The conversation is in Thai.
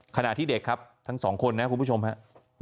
ขณะที่เด็กครับทั้งสองคนนะคุณผู้ชมครับ